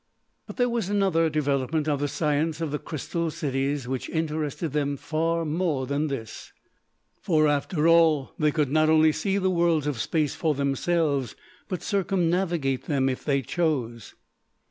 But there was another development of the science of the Crystal Cities which interested them far more than this for after all they could not only see the Worlds of Space for themselves, but circumnavigate them if they chose.